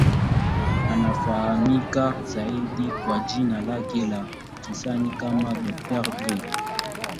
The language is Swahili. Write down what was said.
Anafahamika zaidi kwa jina lake la kisanii kama Dr. Dre.